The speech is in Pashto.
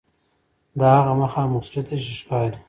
دا هغه مخامخ مسجد دی چې ښکاري.